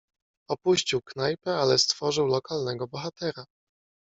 "Opuścił knajpę, ale stworzył lokalnego bohatera."